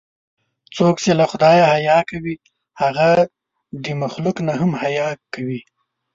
څوک چې له خدای نه حیا کوي، هغه د مخلوق نه هم حیا کوي.